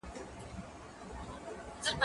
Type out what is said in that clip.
ته ولي پلان جوړوې،